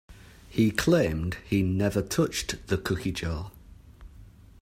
He claimed he never touched the cookie jar.